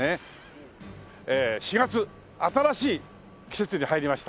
４月新しい季節に入りました。